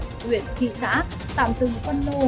huyện thị xã tạm dừng phân lô